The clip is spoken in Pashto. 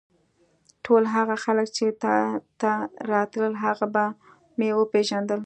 ټول هغه خلک چې تا ته راتلل هغه به مې وپېژندل.